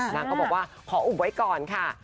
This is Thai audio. นางก็บอกว่าขออุบไว้ก่อนค่ะ